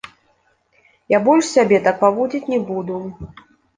Я больш сябе так паводзіць не буду.